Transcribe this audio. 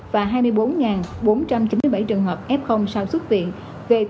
và hai mươi bốn bốn trăm chín mươi bảy trường hợp f sau xuất viện về tiếp tục cách ly theo dõi tại nhà